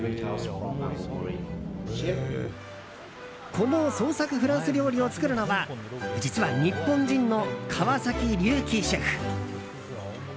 この創作フランス料理を作るのは実は日本人の川崎竜喜シェフ。